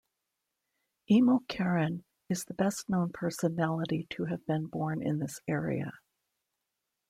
Emil Cioran is the best-known personality to have been born in this area.